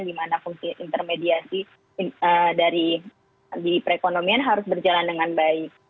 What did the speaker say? dimana fungsi intermediasi dari perekonomian harus berjalan dengan baik